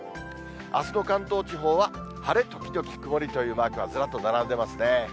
あすの関東地方は晴れ時々曇りというマークがずらっと並んでますね。